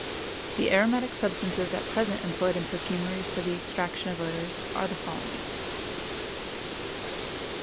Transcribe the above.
The aromatic substances at present employed in perfumery for the extraction of odors are the following.